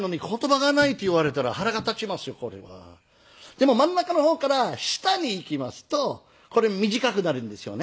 でも真ん中の方から下にいきますとこれ短くなるんですよね。